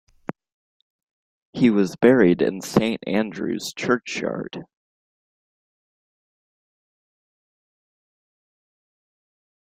He was buried in Saint Andrew's churchyard.